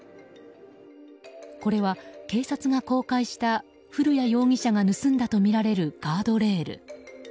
これは警察が公開した古谷容疑者が盗んだとみられるガードレール。